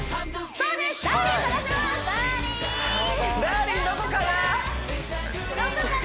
どこかな？